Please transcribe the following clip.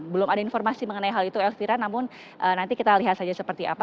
belum ada informasi mengenai hal itu elvira namun nanti kita lihat saja seperti apa